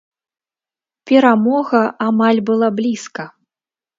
Перамога амаль была блізка.